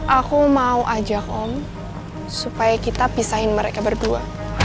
aku mau ajak om supaya kita pisahin mereka berdua